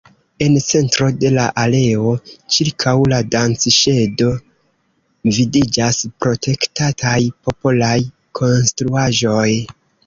En centro de la areo, ĉirkaŭ la"Dancŝedo" vidiĝas protektataj popolaj konstruaĵoj.